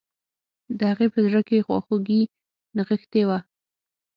د هغې په زړه کې خواخوږي نغښتي وه